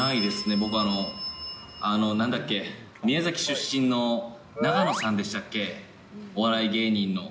僕、なんだっけ、宮崎出身の永野さんでしたっけ、お笑い芸人の。